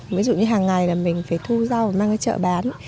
ví dụ như hàng ngày mình phải thu rau và mang đến chợ bán